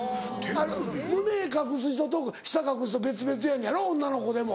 胸隠す人と下隠す人別々やのやろ女の子でも。